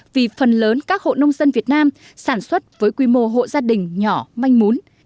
vì phần lớn các hộ nông dân việt nam sản xuất với quy mô hộ gia đình nhỏ manh mún